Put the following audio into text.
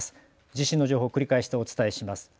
地震の情報を繰り返しお伝えします。